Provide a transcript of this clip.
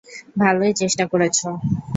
ভালোই চেষ্টা করেছ।